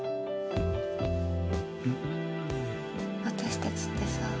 私たちってさ。